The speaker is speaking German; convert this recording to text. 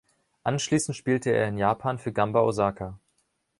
Anschließend spielte er in Japan für Gamba Osaka.